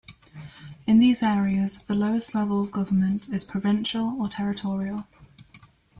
In these areas, the lowest level of government is provincial or territorial.